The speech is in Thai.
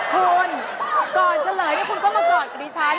คุณก่อนเฉลยคุณก็มากอดกับดิฉัน